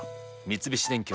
三菱電機